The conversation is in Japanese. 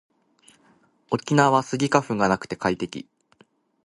沖縄はスギ花粉がなくて快適